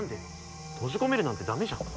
閉じ込めるなんてダメじゃん。